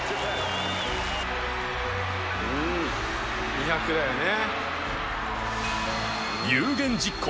２００だよね。